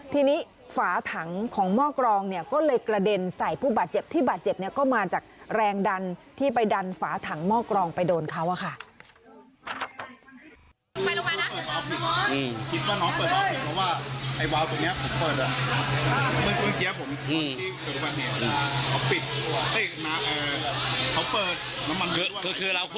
ทีนี้ฝาถังของหม้อกรองเนี่ยก็เลยกระเด็นใส่ผู้บาดเจ็บที่บาดเจ็บเนี่ยก็มาจากแรงดันที่ไปดันฝาถังหม้อกรองไปโดนเขาอะค่ะ